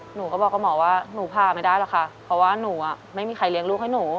หนูก็บอกกับหมอว่าหนูผ่าไม่ได้หรอกค่ะเพราะว่าหนูไม่มีใครเลี้ยงลูกให้หนู